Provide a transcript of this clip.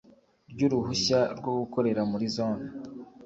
Ry uruhushya rwo gukorera muri zone